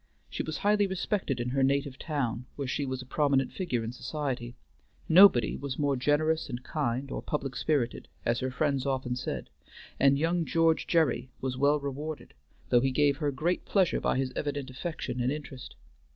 She was highly respected in her native town, where she was a prominent figure in society. Nobody was more generous and kind or public spirited, as her friends often said, and young George Gerry was well rewarded, though he gave her great pleasure by his evident affection and interest.